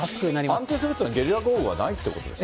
安定するというのはゲリラ豪雨はないということですか？